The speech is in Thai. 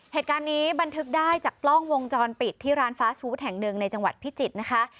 เหตุการณ์นี้บันทึกได้จากกล้องวงจรปิดที่ร้านฟ้าชูทแห่งหนึ่งในจังหวัดพิจิตรนะคะ